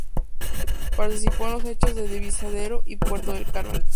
Participó en los hechos de Divisadero y Puerto del Carmen.